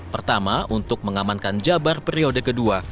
pertama untuk mengamankan jabar periode kedua